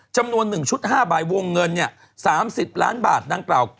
จำนวน๑ชุด๕ใบวงเงิน๓๐ล้านบาทดังกล่าว